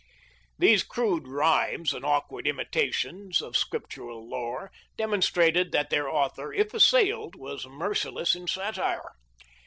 These crude rhymes and awkward imitations of scriptural lore demonstrated that their author, if assailed, was merciless in satire.